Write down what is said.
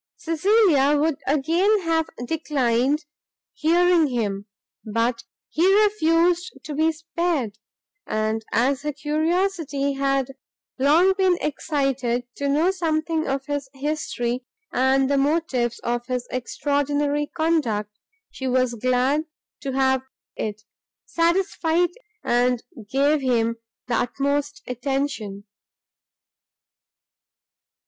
Cecilia would again have declined hearing him, but he refused to be spared: and as her curiosity had long been excited to know something of his history, and the motives of his extraordinary conduct, she was glad to have it satisfied, and gave him the utmost attention.